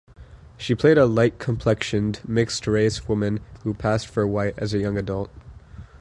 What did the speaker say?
She played a light-complexioned mixed-race woman who "passed" for white as a young adult.